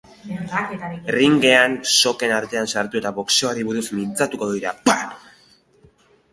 Ringean, soken artean sartu eta boxeoari buruz mintzatuko dira.